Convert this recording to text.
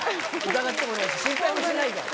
疑ってもいないし心配もしないから。